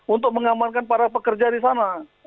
untuk mengamankan para pekerja di sana